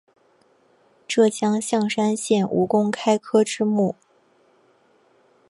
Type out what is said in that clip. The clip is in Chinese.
浙江象山县吴公开科之墓